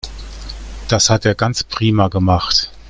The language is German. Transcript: Das hat er ganz prima gemacht.